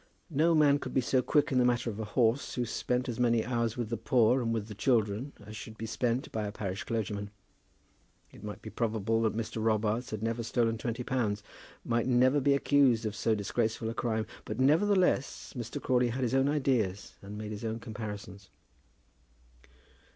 No man could be so quick in the matter of a horse who spent as many hours with the poor and with the children as should be spent by a parish clergyman. It might be probable that Mr. Robarts had never stolen twenty pounds, might never be accused of so disgraceful a crime, but, nevertheless, Mr. Crawley had his own ideas, and made his own comparisons.